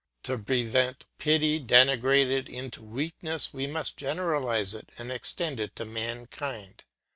To prevent pity degenerating into weakness we must generalise it and extend it to mankind.